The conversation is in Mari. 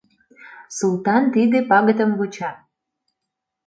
Султан тиде пагытым вуча.